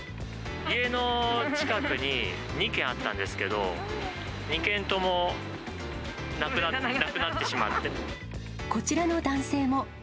家の近くに２軒あったんですけど、２軒ともなくなってしまっこちらの男性も。